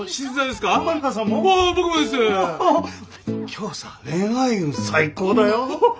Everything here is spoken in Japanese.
今日さ恋愛運最高だよ。